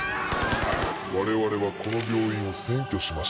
我々はこの病院を占拠しました。